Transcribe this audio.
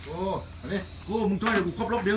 โอ้มึงเท่าไหร่เดี๋ยวกูคอบลบเดี๋ยว